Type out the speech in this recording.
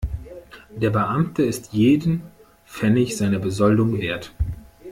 Der Beamte ist jeden Pfennig seiner Besoldung wert.